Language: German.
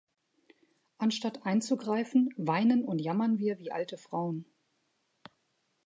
Anstatt einzugreifen, weinen und jammern wir wie alte Frauen.